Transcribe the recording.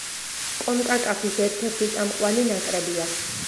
კონკაკაფის ერთ-ერთი წამყვანი ნაკრებია.